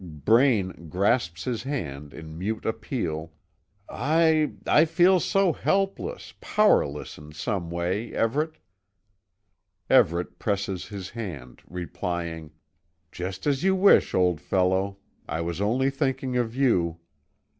Braine grasps his hand in mute appeal: "I I feel so helpless, powerless in some way, Everet." Everet presses his hand, replying: "Just as you wish, old fellow I was only thinking of you."